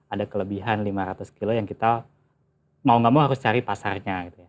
ada kelebihan lima ratus kilo yang kita mau gak mau harus cari pasarnya